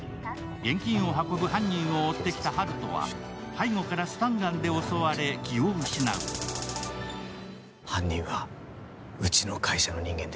現金を運ぶ犯人を追ってきた温人は背後からスタンガンで襲われ気を失う。